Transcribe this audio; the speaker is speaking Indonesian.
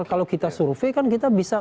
kalau kita surveikan kita bisa